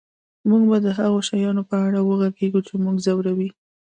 موږ به د هغو شیانو په اړه وغږیږو چې موږ ځوروي